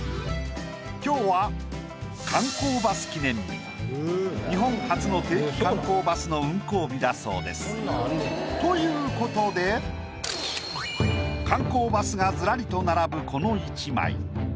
今日は日本初の定期観光バスの運行日だそうです。という事で観光バスがずらりと並ぶこの一枚。